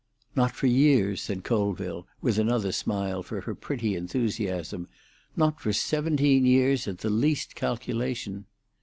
"Not for years," said Colville, with another smile for her pretty enthusiasm. "Not for seventeen years at the least calculation."